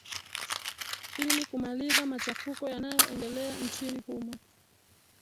ili kumaliza machafuko yanayo endelea nchini humo